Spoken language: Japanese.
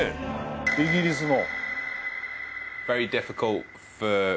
イギリスの。